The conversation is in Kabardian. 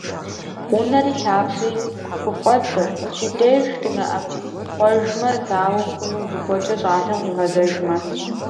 Унэри лъапсэри хыфӀэддзэу, фи деж дынэӀэпхъуэжмэ, дауэ хъуну зыгуэркӀэ щӀалэм къигъэзэжмэ?